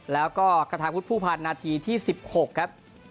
แล้วก็กระทะวุฒิผู้ผ่านนาทีที่๑๖ครับ